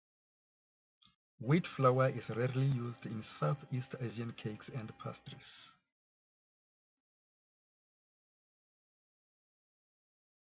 Wheat flour is rarely used in Southeast Asian cakes and pastries.